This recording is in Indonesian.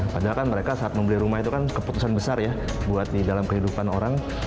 padahal kan mereka saat membeli rumah itu kan keputusan besar ya buat di dalam kehidupan orang